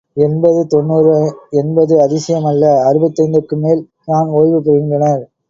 எண்பது, தொண்ணூறு என்பது அதிசயமல்ல அறுபத்தைந்துக்கும் மேல் தான் ஓய்வு பெறுகின்றனர்.